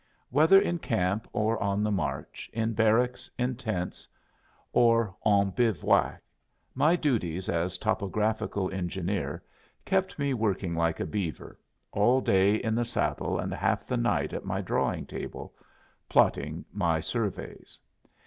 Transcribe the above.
Whether in camp or on the march, in barracks, in tents, or en bivouac, my duties as topographical engineer kept me working like a beaver all day in the saddle and half the night at my drawing table, platting my surveys.